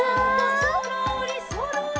「そろーりそろり」